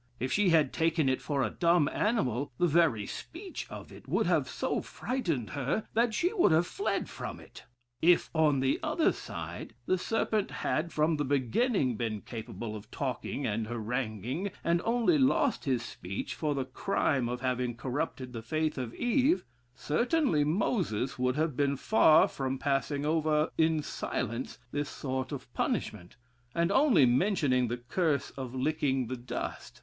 If she had taken it for a dumb animal, the very speech of it would have so frightened her, that she would have fled from it. If, on the other side, the serpent had from the beginning been capable of talking and haranguing, and only lost his speech for the crime of having corrupted the faith of Eve, certainly Moses would have been far from passing over in silence this sort of punishment, and only mentioning the curse of licking the dust.